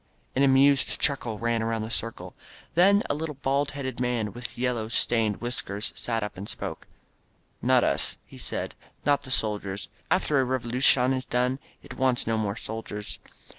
An amused chuckle ran around the circle. Then a little, bald headed man, with yellow, stained whiskers, sat up and spoke. "Not us," he said, "not the soldiers. After a Revo lucion is done it wants no more soldiers.